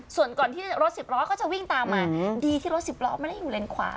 ส่วนก่อนที่รถสิบล้อก็จะวิ่งตามมาดีที่รถสิบล้อไม่ได้อยู่เลนขวา